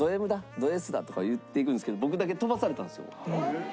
「ドＳだ」とか言っていくんですけど僕だけ飛ばされたんですよ。